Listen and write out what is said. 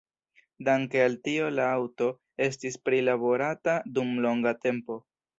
Danke al tio la aŭto estis prilaborata dum longa tempo.